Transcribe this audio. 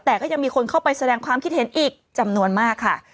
แต่ก็ยังมีคนเข้าไปแสดงความคิดเห็นอีกจำนวนมากค่ะ